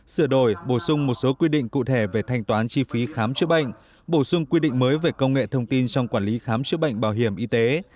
sửa đổi bổ sung một số quy định cụ thể về thanh toán chi phí khám chữa bệnh bổ sung quy định mới về công nghệ thông tin trong quản lý khám chữa bệnh bảo hiểm y tế